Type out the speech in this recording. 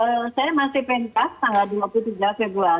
ya saya masih pentas tanggal dua puluh tiga februari